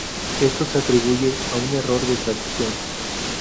Esto se atribuye a un error de traducción.